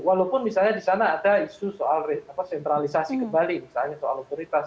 walaupun misalnya di sana ada isu soal sentralisasi kembali misalnya soal otoritas